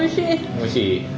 おいしい？